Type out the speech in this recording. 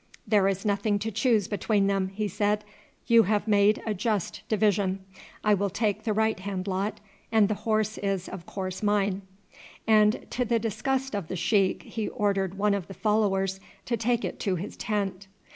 "There is nothing to choose between them," he said; "you have made a just division. I will take the right hand lot, and the horse is of course mine;" and to the disgust of the sheik he ordered one of the followers to take it to his tent.